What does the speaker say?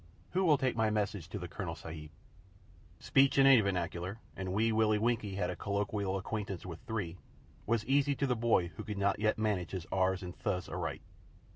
Who will take my message to the Colonel Sahib?" Speech in any vernacular and Wee Willie Winkie had a colloquial acquaintance with three was easy to the boy who could not yet manage his "r's" and "th's" aright.